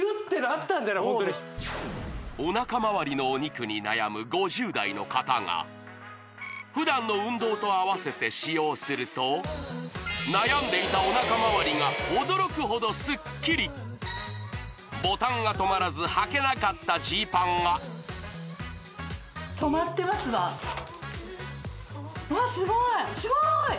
でもおなかまわりのお肉に悩む５０代の方が普段の運動とあわせて使用すると悩んでいたおなかまわりが驚くほどスッキリボタンがとまらずはけなかったジーパンがとまってますわわあすごいすごい！